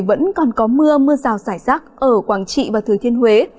vẫn còn có mưa mưa rào rải rác ở quảng trị và thừa thiên huế